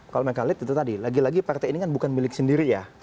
kalau mengkalit itu tadi lagi lagi partai ini kan bukan milik sendiri ya